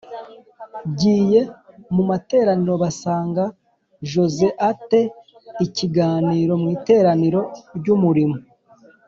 giye mu materaniro basanga Jose a te ikiganiro mu Iteraniro ry Umurimo